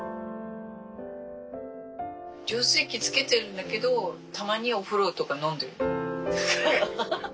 浄水器つけてるんだけどたまにお風呂とか飲んでる。